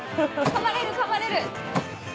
かまれるかまれる。